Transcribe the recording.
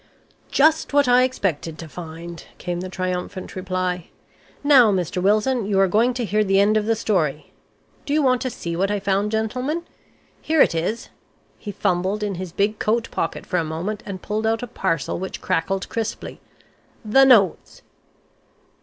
"Just what I expected to find," came the triumphant reply. "Now, Mr. Wilson, you are going to hear the end of the story. Do you want to see what I found, gentlemen? Here it is." He fumbled in his big coat pocket for a moment and pulled out a parcel which crackled crisply. "The notes!"